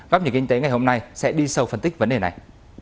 góc nhìn kinh tế ngày hôm nay sẽ đi sâu phân tích vấn đề này